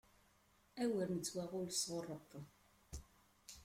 Awer nettwaɣull sɣuṛ Ṛebbi!